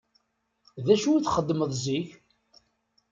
D acu i txeddmeḍ zik?